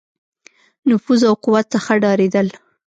نفوذ او قوت څخه ډارېدل.